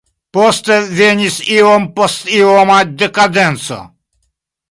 Poste venis iompostioma dekadenco.